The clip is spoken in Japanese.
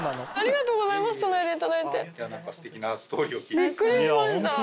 びっくりしました。